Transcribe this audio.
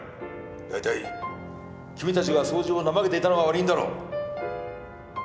大体君たちが掃除を怠けていたのが悪いんだろう。